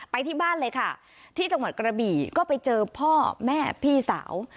ไปที่บ้านเลยค่ะที่จังหวัดกระบี่ก็ไปเจอพ่อแม่พี่สาว